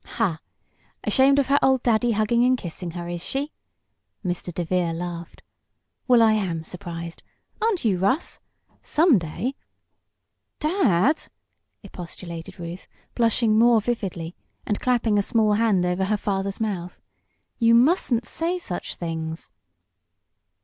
"Ha! Ashamed of her old daddy hugging and kissing her; is she?" Mr. DeVere laughed. "Well, I am surprised; aren't you, Russ? Some day " "Dad!" expostulated Ruth, blushing more vividly, and clapping a small hand over her father's mouth. "You mustn't say such things!"